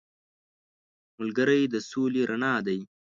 ملګری د سولې رڼا دی